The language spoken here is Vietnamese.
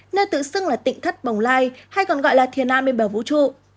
nơi tự xưng là tỉnh thất bồng lai hay còn gọi là thiền an bên bờ vũ trụ